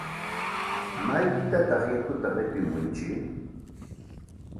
¿Maypitataq yakuta qipimuntsik?